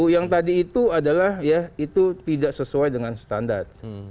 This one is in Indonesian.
yang tadi itu adalah ya itu tidak sesuai dengan standar